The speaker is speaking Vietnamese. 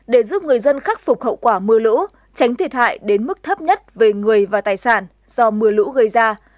để giúp người dân khắc phục hậu quả mưa lũ tránh thiệt hại đến mức thấp nhất về người và tài sản do mưa lũ gây ra